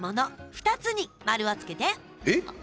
２つに丸をつけて！